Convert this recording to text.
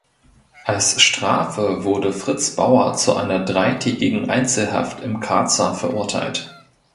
Als Strafe wurde Fritz Bauer zu einer dreitägigen Einzelhaft im Karzer verurteilt.